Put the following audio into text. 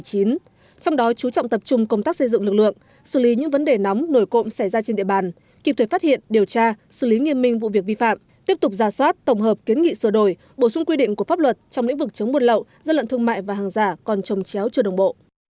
trong đó chú trọng tập trung công tác xây dựng lực lượng xử lý những vấn đề nóng nổi cộng xảy ra trên địa bàn kịp thời phát hiện điều tra xử lý nghiêm minh vụ việc vi phạm tiếp tục giả soát tổng hợp kiến nghị sửa đổi bổ sung quy định của pháp luật trong lĩnh vực chống buôn lậu dân lận thương mại và hàng giả còn trồng chéo cho đồng bộ